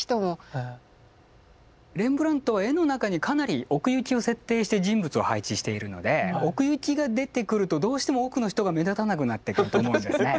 レンブラントは絵の中にかなり奥行きを設定して人物を配置しているので奥行きが出てくるとどうしても奥の人が目立たなくなってくると思うんですね。